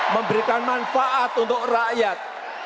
memberikan manfaat untuk rakyat